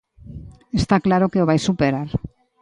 Está claro que o vai superar.